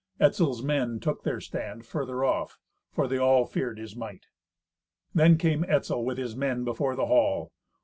Etzel's men took their stand further off, for they all feared his might. Then came Etzel with his men before the hall.